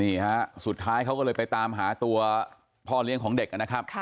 นี่ฮะสุดท้ายเขาก็เลยไปตามหาตัวพ่อเลี้ยงของเด็กนะครับ